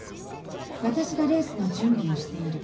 私がレースの準備をしている。